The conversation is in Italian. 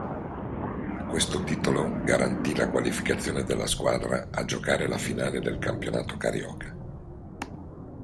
Questo titolo garantì la qualificazione della squadra a giocare la finale del Campionato Carioca.